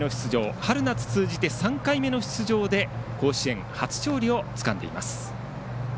春夏通じて３回目の出場で甲子園初勝利をつかんでいます。